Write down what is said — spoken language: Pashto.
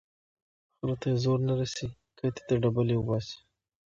ـ خره ته يې زور نه رسي کتې ته ډبلي اوباسي.